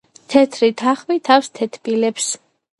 თეთრი თახვი თავს თეთბილებს